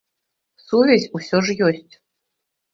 Сувязь усё ж ёсць.